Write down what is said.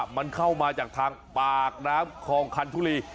มันเข้ามาจากทางปากน้ำคลองคันทุรี